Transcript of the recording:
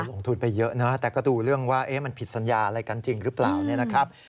ลงทุนไปเยอะนะแต่ก็ดูเรื่องว่ามันผิดสัญญาอะไรกันจริงหรือเปล่าเนี่ยนะครับ